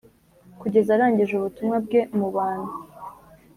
kugeza arangije ubutumwa bwe mubana